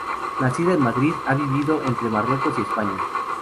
Nacida en Madrid, ha vivido entre Marruecos y España.